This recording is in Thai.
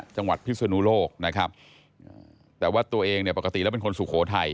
พิศนุโลกนะครับแต่ว่าตัวเองเนี่ยปกติแล้วเป็นคนสุโขทัย